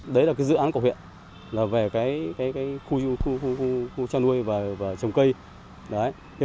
đấy là cái dự án của huyện là về cái khu trăn nuôi và trồng cây